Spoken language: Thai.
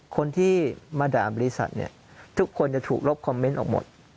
คนที่มาด่าบริษัทเนี่ยทุกคนจะถูกลบคอมเมนต์ออกหมด